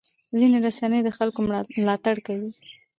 ځینې رسنۍ د خلکو ملاتړ کوي.